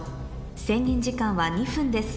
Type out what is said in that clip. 制限時間は２分です